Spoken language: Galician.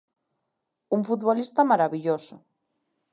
Un futbolista marabilloso.